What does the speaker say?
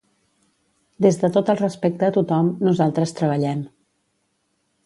Des de tot el respecte a tothom, nosaltres treballem.